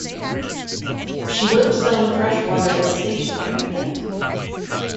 She worked selling fresh water at the station every night.